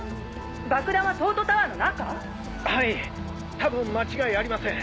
爆弾は東都タワーの中⁉はい多分間違いありません。